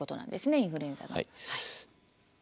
インフルエンザなら。